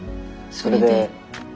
それで。